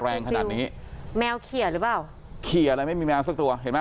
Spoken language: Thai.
แรงขนาดนี้แมวเขียหรือเปล่าเขียอะไรไม่มีแมวสักตัวเห็นไหม